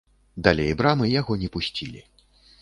Далей брамы яго не пусцілі.